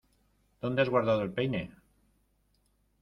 ¿Dónde has guardado el peine?